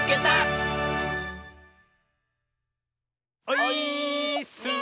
オイーッス！